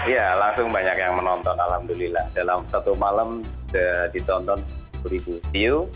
ya langsung banyak yang menonton alhamdulillah dalam satu malam sudah ditonton sepuluh ribu view